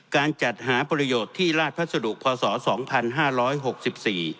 การจัดหาประโยชน์ที่ราชภาษฎุพศ๒๕๖๔